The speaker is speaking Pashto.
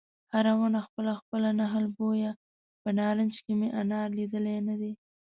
هره ونه خپله خپله نخل بویه په نارنج کې مې انار لیدلی نه دی